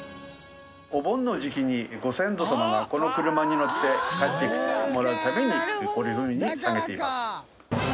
お盆の時期にご先祖様がこの車に乗って帰ってきてもらうためにこういうふうに下げています。